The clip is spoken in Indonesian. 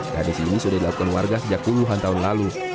tradisi ini sudah dilakukan warga sejak puluhan tahun lalu